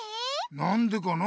なんでかな？